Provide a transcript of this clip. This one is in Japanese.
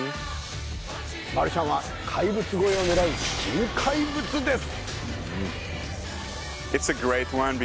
マルシャンは怪物超えを狙う新怪物です